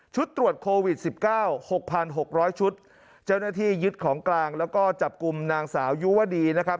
ชุดตรวจโควิด๑๙๖๖๐๐ชุดเจ้าหน้าที่ยึดของกลางแล้วก็จับกลุ่มนางสาวยุวดีนะครับ